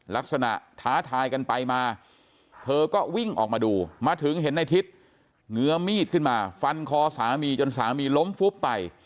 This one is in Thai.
ท้าทายกันไปมาเธอก็วิ่งออกมาดูมาถึงเห็นในทิศเงื้อมีดขึ้นมาฟันคอสามีจนสามีล้มฟุบไป